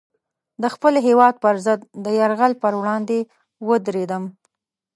د خپل هېواد پر ضد د یرغل پر وړاندې ودرېدم.